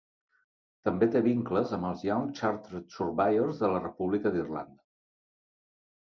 També té vincles amb els Young Chartered Surveyors de la República d'Irlanda.